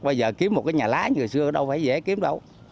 bây giờ kiếm một cái nhà lá như vừa xưa đâu phải dễ kiếm đâu